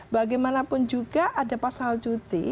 bagaimanapun juga ada pasal cuti